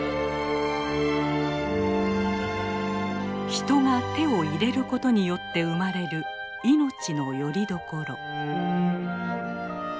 人が手を入れることによって生まれる命のよりどころ。